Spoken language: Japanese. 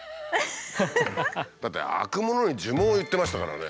だって開くものに呪文を言ってましたからね。